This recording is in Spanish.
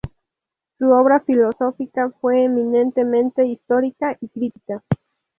Su obra filosófica fue eminentemente histórica y crítica.